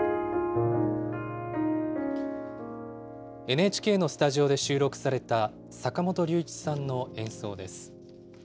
ＮＨＫのスタジオで収録された、坂本龍一さんの演奏です。